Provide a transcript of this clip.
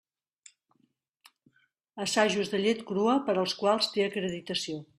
Assajos de llet crua per als quals té acreditació.